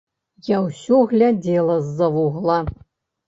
Я ўсё глядзела з-за вугла.